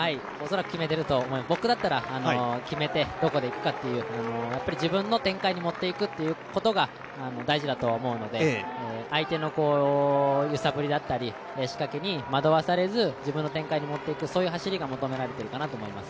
僕だったら決めてどこでいくかという自分の展開に持っていくことが大事だと思うので相手の揺さぶりだったり仕掛けに惑わされず自分の展開に持っていく走りが求められているかなと思います。